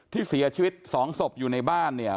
ที่เสียชีวิตสองศพอยู่ในบ้านเนี่ย